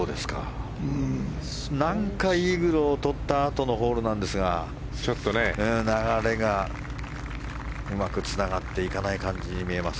なんか、イーグルを取ったあとのホールなんですがちょっと流れがうまくつながっていかない感じに見えます。